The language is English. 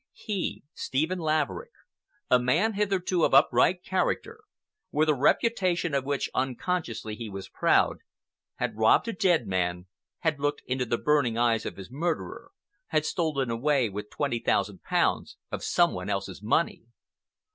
He, Stephen Laverick, a man hitherto of upright character, with a reputation of which unconsciously he was proud, had robbed a dead man, had looked into the burning eyes of his murderer, had stolen away with twenty thousand pounds of someone else's money.